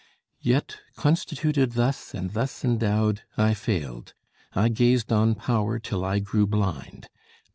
"Yet, constituted thus and thus endowed, I failed; I gazed on power till I grew blind.